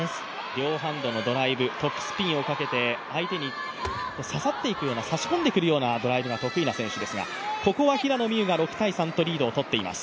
両ハンドのドライブ、トップスピンをかけて、相手に刺さっていくような、差し込んでくるうようなドライブが得意な選手ですがここは平野美宇が６−３とリードをとっています。